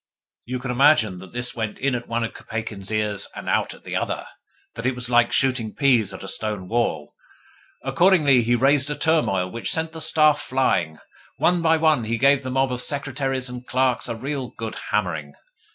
You can imagine that this went in at one of Kopeikin's ears, and out at the other; that it was like shooting peas at a stone wall. Accordingly he raised a turmoil which sent the staff flying. One by one, he gave the mob of secretaries and clerks a real good hammering.